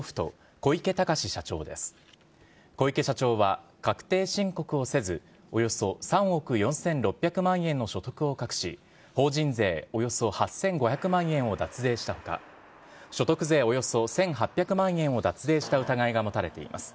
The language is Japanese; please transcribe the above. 小池社長は、確定申告をせず、およそ３億４６００万円の所得を隠し、法人税およそ８５００万円を脱税したほか、所得税およそ１８００万円を脱税した疑いが持たれています。